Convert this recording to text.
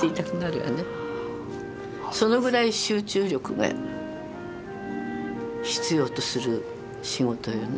そのぐらい集中力が必要とする仕事よね。